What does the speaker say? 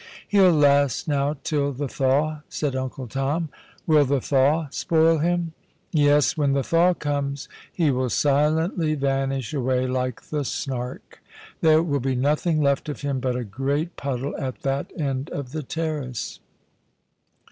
" He'll last now till the thaw," said Uncle Tom. " Will the thaw spoil him ?"" Yes, when the thaw comes he will silently vanish away, like the Snark. There will be nothing left of him but a great puddle at that end of the terrace."